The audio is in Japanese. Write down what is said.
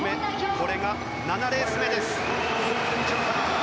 これが７レース目です。